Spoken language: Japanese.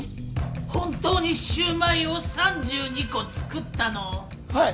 本当にシューマイを３２こ作ったの⁉はい。